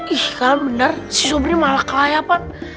ih kan bener si sobri malah kaya pak